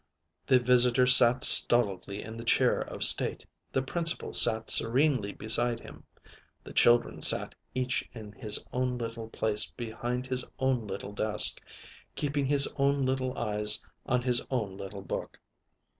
The visitor sat stolidly in the chair of state, the Principal sat serenely beside him, the children sat each in his own little place, behind his own little desk, keeping his own little eyes on his own little book.